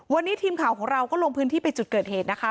วันนี้ทีมข่าวของเราก็ลงพื้นที่ไปจุดเกิดเหตุนะคะ